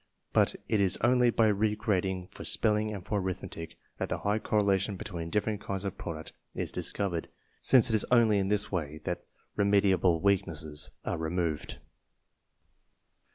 But it is only by re grading for spelling and for arithmetic thatJJieJxigh correlation between different kinds of product is dis covered, since it is only in this way that remediable weaknesses are removed.